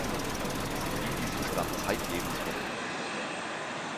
Sie blieb diesem Stand zeitlebens verbunden.